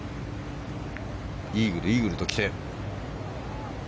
イーグル、イーグルときて。